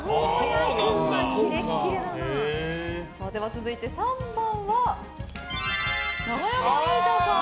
続いて３番は永山瑛太さん。